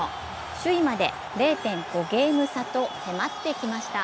首位まで０．５ゲーム差と迫ってきました。